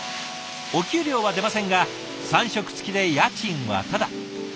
お給料は出ませんが３食つきで家賃はタダ。